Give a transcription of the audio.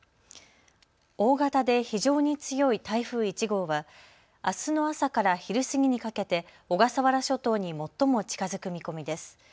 大型で非常に強い台風１号はあすの朝から昼過ぎにかけて小笠原諸島に最も近づく見込みです。